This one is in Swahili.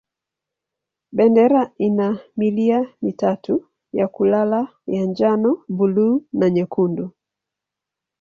Bendera ina milia mitatu ya kulala ya njano, buluu na nyekundu.